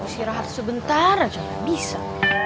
sira sira sebentar aja nggak bisa